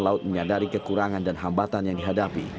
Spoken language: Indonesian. dan mengurangi kekurangan dan hambatan yang dihadapi